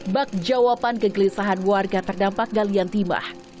bak jawaban kegelisahan warga terdampak galian timah